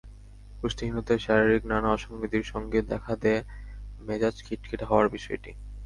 পুষ্টিহীনতায় শারীরিক নানা অসংগতির সঙ্গে দেখা দেয় মেজাজ খিটখিটে হওয়ার বিষয়টি।